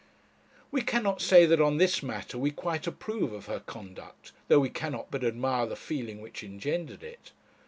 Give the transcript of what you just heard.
We cannot say that on this matter we quite approve of her conduct, though we cannot but admire the feeling which engendered it.